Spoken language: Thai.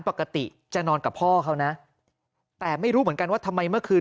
ปกติจะนอนกับพ่อเขานะแต่ไม่รู้เหมือนกันว่าทำไมเมื่อคืน